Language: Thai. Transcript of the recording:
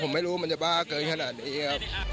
ผมไม่รู้มันจะบ้าเกินขนาดนี้ครับ